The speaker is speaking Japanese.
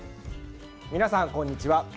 皆さん、こんにちは！